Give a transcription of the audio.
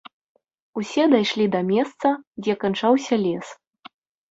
Усе дайшлі да месца, дзе канчаўся лес.